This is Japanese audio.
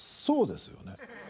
そうですよね。